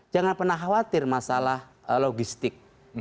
jangan pernah khawatir masalah logistik